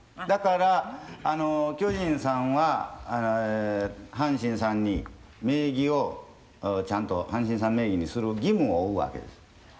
だから巨人さんは阪神さんに名義をちゃんと阪神さん名義にする義務を負うわけです。